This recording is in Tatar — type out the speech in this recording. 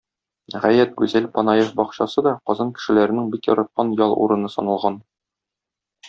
Гаять гүзәл Панаев бакчасы да Казан кешеләренең бик яраткан ял урыны саналган.